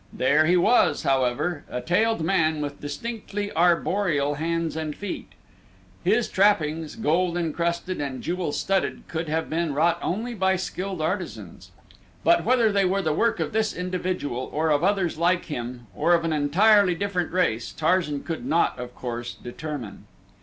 There he was, however, a tailed man with distinctly arboreal hands and feet. His trappings, gold encrusted and jewel studded, could have been wrought only by skilled artisans; but whether they were the work of this individual or of others like him, or of an entirely different race, Tarzan could not, of course, determine.